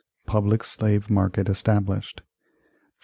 Public slave market established 1714.